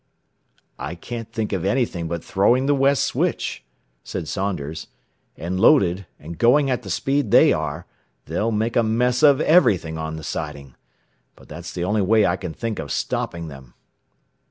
"I can't think of anything but throwing the west switch," said Saunders. "And loaded, and going at the speed they are, they'll make a mess of everything on the siding. But that's the only way I can think of stopping them."